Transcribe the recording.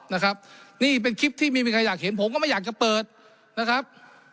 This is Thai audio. นะครับนี่เป็นคลิปที่ไม่มีใครอยากเห็นผมก็ไม่อยากจะเปิดนะครับ